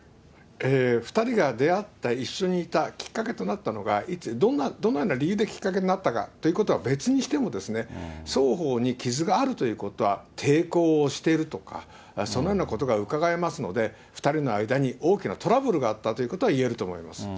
２人が出会った、一緒にいたきっかけとなったのがいつ、どのような理由できっかけとなったのかということは別にしてもですね、双方に傷があるということは、抵抗をしているとか、そのようなことがうかがえますので、２人の間に大きなトラブルがあったということはいえると思います。